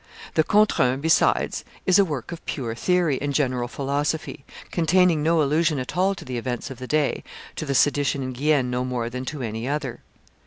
The Contre un, besides, is a work of pure theory and general philosophy, containing no allusion at all to the events of the day, to the sedition in Guienne no more than to any other.